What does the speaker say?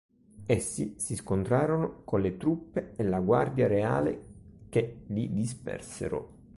Essi si scontrarono con le truppe e la Guardia reale, che li dispersero.